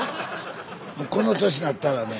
この年なったらね。